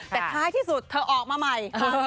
แต่ท้ายที่สุดเธอออกมาใหม่